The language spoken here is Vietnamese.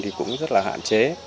thì cũng rất là hạn chế